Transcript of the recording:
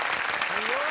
すごい。